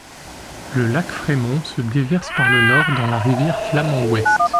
Le lac Frémont se déverse par le Nord dans la rivière Flamand Ouest.